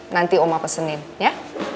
nanti oma pesenin ya